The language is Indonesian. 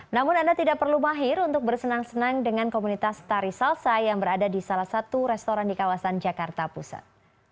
namun anda tidak perlu mahir untuk bersenang senang dengan komunitas tari salsa yang berada di salah satu restoran di kawasan jakarta pusat